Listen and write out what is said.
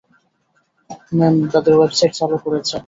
Ma'am, তাদের website চালু করেছে।